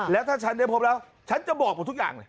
แล้วถ้าชั้นได้พบแล้วชั้นจะบอกผมทุกอย่าง